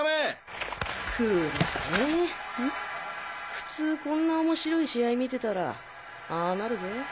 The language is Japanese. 普通こんな面白い試合観てたらああなるぜ？